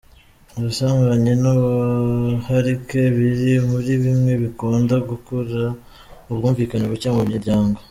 Ubusambanyi n’ubuharike biri muri bimwe bikunda gukurura ubwumvikane buke mu miryango.